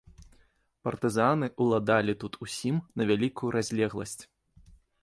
Партызаны ўладалі тут усім на вялікую разлегласць.